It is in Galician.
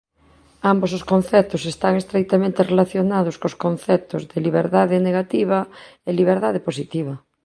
Ambos os conceptos están estreitamente relacionados cos conceptos de liberdade negativa e liberdade positiva.